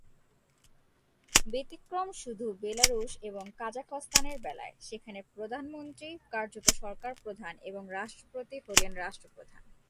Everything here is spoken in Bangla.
ব্যতিক্রম শুধু বেলারুশ এবং কাজাখস্তান এর বেলায়, সেখানে প্রধানমন্ত্রী কার্যত সরকার প্রধান এবং রাষ্ট্রপতি হলেন রাষ্ট্র প্রধান।